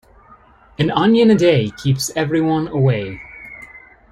An onion a day keeps everyone away.